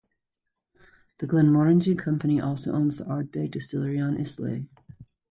The Glenmorangie Company also owns the Ardbeg Distillery on Islay.